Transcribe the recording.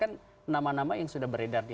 kan nama nama yang sudah beredar di